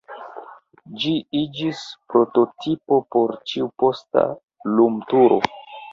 Ĝi iĝis prototipo por ĉiu posta lumturo.